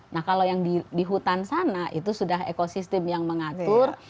nah kalau yang di hutan sana itu sudah ekosistem yang mengatur